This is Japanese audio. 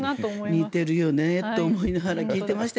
似てるよねと思いながら聞いてました。